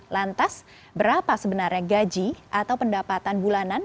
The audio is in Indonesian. lantas berapa sebenarnya gaji atau pendapatan bulanan